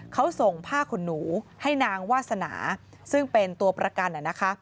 เขาส่งผ้าขนหนูให้นางวาสนาซึ่งเป็นตัวประกันนะคะ